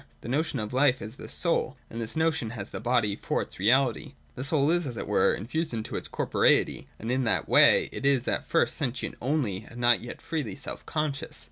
The notion of life is the soul, and this notion has the body for its reality. The soul is, as it were, infused into its corporeity ; and in that way it is at first sentient only, and not yet freely self conscious.